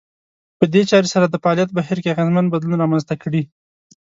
په دې چارې سره د فعاليت بهير کې اغېزمن بدلون رامنځته کړي.